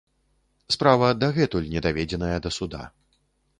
Справа дагэтуль не даведзеная да суда.